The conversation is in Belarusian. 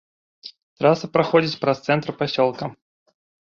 Траса праходзіць праз цэнтр пасёлка.